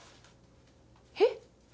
えっ？